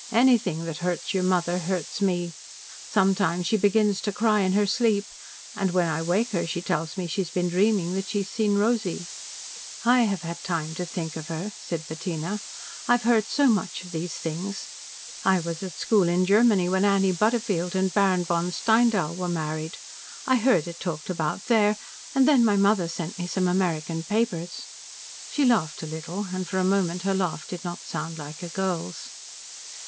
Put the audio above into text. "Anything that hurts your mother hurts me. Sometimes she begins to cry in her sleep, and when I wake her she tells me she has been dreaming that she has seen Rosy." "I have had time to think of her," said Bettina. "I have heard so much of these things. I was at school in Germany when Annie Butterfield and Baron von Steindahl were married. I heard it talked about there, and then my mother sent me some American papers." She laughed a little, and for a moment her laugh did not sound like a girl's.